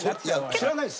知らないです。